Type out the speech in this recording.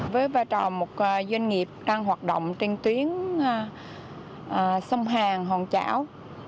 với vai trò một doanh nghiệp đang hoạt động trên tuyến sông hàng hòn chảo